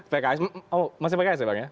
pks oh masih pks ya bang ya